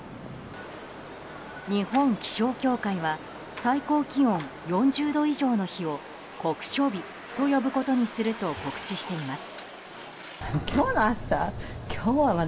日本気象協会は最高気温４０度以上の日を酷暑日と呼ぶことにすると告知しています。